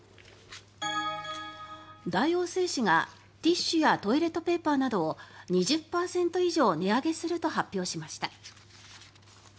大王製紙がティッシュやトイレットペーパーなどを２０％以上値上げすると発表しました。